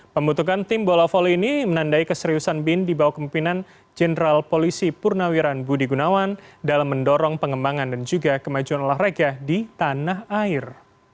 pembentukan tim bola volley ini menandai keseriusan bin di bawah kemimpinan jenderal polisi purnawiran budi gunawan dalam mendorong pengembangan dan juga kemajuan olahraga di tanah air